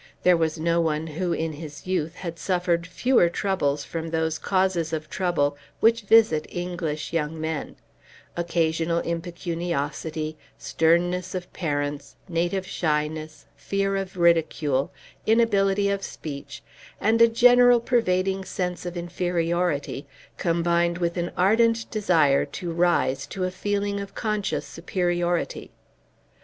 There was no one who in his youth had suffered fewer troubles from those causes of trouble which visit English young men, occasional impecuniosity, sternness of parents, native shyness, fear of ridicule, inability of speech, and a general pervading sense of inferiority combined with an ardent desire to rise to a feeling of conscious superiority.